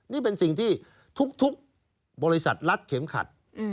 นี่เป็นสิ่งที่ทุกบริษัทรัดเข็มขัด